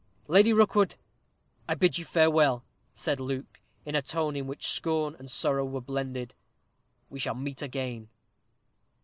"Lady Rookwood, I bid you farewell," said Luke, in a tone in which scorn and sorrow were blended. "We shall meet again."